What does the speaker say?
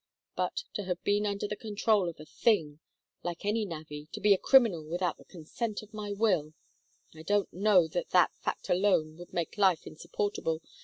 But to have been under the control of a Thing, like any navvy, to be a criminal without the consent of my will "I don't know that that fact alone would make life insupportable.